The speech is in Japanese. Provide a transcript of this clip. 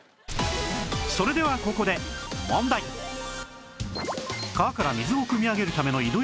それではここで川から水を汲み上げるための井戸櫓